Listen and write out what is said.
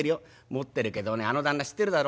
「持ってるけどねあの旦那知ってるだろ？